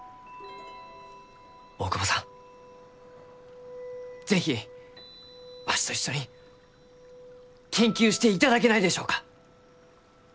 大窪さん是非わしと一緒に研究していただけないでしょうか？